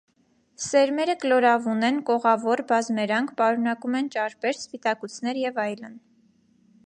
Սերմերը կլորավուն են, կողավոր, բազմերանգ, պարունակում են ճարպեր, սպիտակուցներ և այլն։